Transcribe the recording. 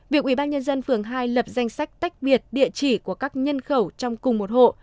việc ubnd phường hai lập danh sách tách biệt địa chỉ của các nhân khẩu trong cùng một hộ